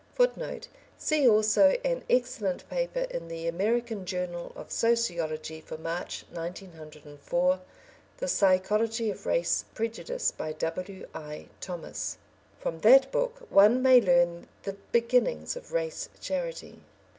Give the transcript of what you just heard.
[Footnote: See also an excellent paper in the American Journal of Sociology for March, 1904, The Psychology of Race Prejudice, by W. I. Thomas.] From that book one may learn the beginnings of race charity.